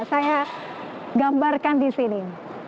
saya gambarkan di sini